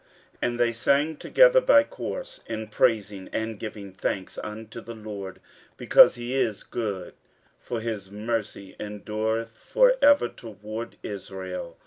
15:003:011 And they sang together by course in praising and giving thanks unto the LORD; because he is good, for his mercy endureth for ever toward Israel.